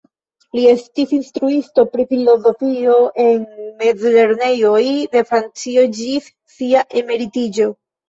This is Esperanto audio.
Li estis instruisto pri filozofio en mezlernejoj de Francio ĝis sia emeritiĝo.